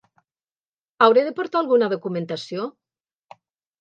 Hauré de portar alguna documentació?